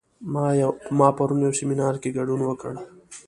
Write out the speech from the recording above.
ما پرون یو سیمینار کې ګډون وکړ